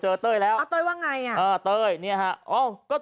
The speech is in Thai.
เหอะเต้ยนะคะ